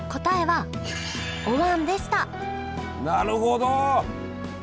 なるほど！